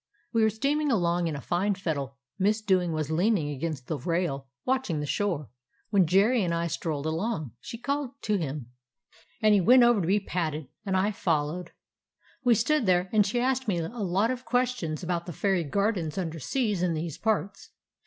We were steaming along in fine fettle. Miss Dewing was leaning against the rail, watching the shore, when Jerry and I strolled along. She called to him, 224 A CALIFORNIA SEA DOG and he went over to be patted ; and I followed. We stood there, and she asked me a lot of ques tions about the faiiy gardens under seas in these parts.